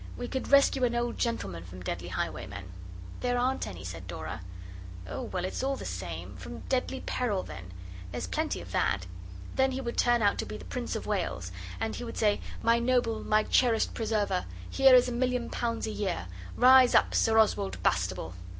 We could rescue an old gentleman from deadly Highwaymen.' 'There aren't any,' said Dora. 'Oh, well, it's all the same from deadly peril, then. There's plenty of that. Then he would turn out to be the Prince of Wales, and he would say, "My noble, my cherished preserver! Here is a million pounds a year. Rise up, Sir Oswald Bastable."